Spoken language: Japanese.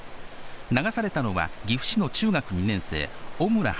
流されたのは岐阜市の中学２年生・尾村悠